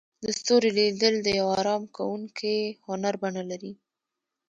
د ستورو لیدل د یو آرام کوونکي هنر بڼه لري.